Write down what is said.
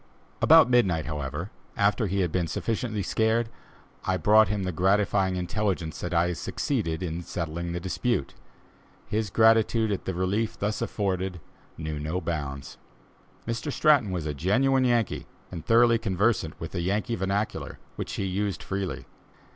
About midnight, however, after he had been sufficiently scared, I brought him the gratifying intelligence that I had succeeded in settling the dispute. His gratitude at the relief thus afforded, knew no bounds. Mr. Stratton was a genuine Yankee, and thoroughly conversant with the Yankee vernacular, which he used freely.